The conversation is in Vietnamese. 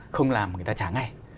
không làm người ta trả ngay